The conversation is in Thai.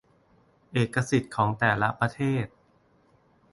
เอกสิทธิ์ของแต่ละประเทศ